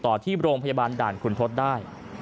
ที่โรงพยาบาลด่านคุณทศได้